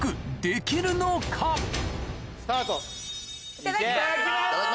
いただきます！